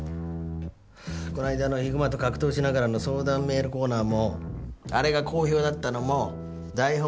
この間のヒグマと格闘しながらの相談メールコーナーもあれが好評だったのも台本ありきだ。